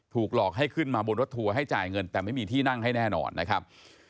หลอกให้ขึ้นมาบนรถทัวร์ให้จ่ายเงินแต่ไม่มีที่นั่งให้แน่นอนนะครับ